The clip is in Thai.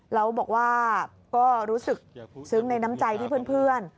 แล้วบอกว่าก็รู้สึกซึ้งในน้ำใจที่เพื่อน